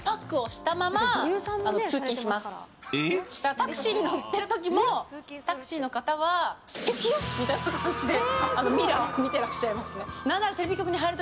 タクシーに乗っている時もタクシーの方はスケキヨ？みたいな感じでミラー見ていらっしゃいます。